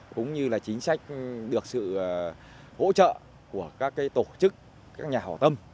cũng như là chính sách được sự hỗ trợ của các tổ chức các nhà hảo tâm